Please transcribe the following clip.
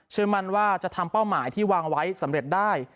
มั่นว่าจะทำเป้าหมายที่วางไว้สำเร็จได้